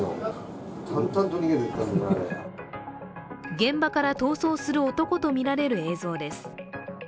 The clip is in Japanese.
現場から逃走する男とみられる映像です。